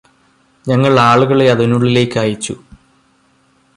ഞങ്ങൾ ആളുകളെ അതിനുള്ളിലേക്ക് അയച്ചു